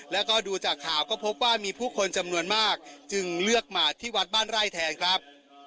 แล้วก็ดูจากข่าวก็พบว่ามีผู้คนจำนวนมากจึงเลือกมาที่วัดบ้านไร่แทนครับ